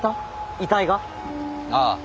遺体が⁉ああ。